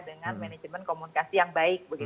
dengan manajemen komunikasi yang baik